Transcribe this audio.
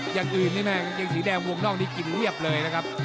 อย่างอื่นนี่แม่กางเกงสีแดงวงนอกนี้กินเรียบเลยนะครับ